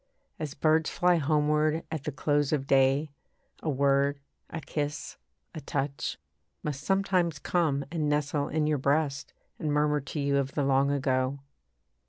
As birds fly homeward at the close of day, A word, a kiss, a touch, Must sometimes come and nestle in your breast And murmur to you of the long ago.